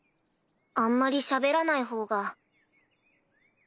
あんまりしゃべらないほうが。